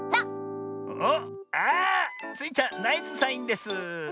おっあスイちゃんナイスサインです。